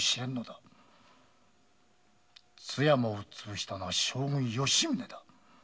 津山を潰したのは将軍・吉宗だ。